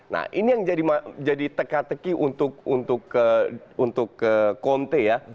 nah ini yang jadi teka teki untuk konte ya